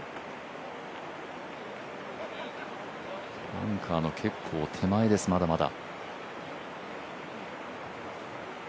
バンカーの結構手前です、まだまだ。